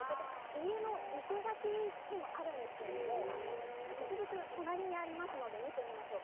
家の生け垣でもあるんですけれども実物が隣にありますので見てみましょう。